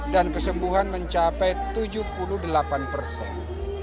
dan kesembuhan mencapai tujuh puluh delapan persen